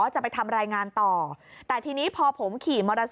จะไปทำรายงานต่อแต่ทีนี้พอผมขี่มอเตอร์ไซค